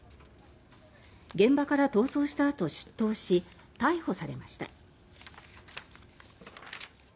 現場から逃走したあと出頭し逮捕されました。